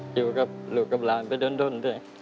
อยู่กับลูกกับหลานไปด้นด้วย